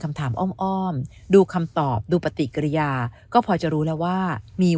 คำถามอ้อมดูคำตอบดูปฏิกิริยาก็พอจะรู้แล้วว่ามี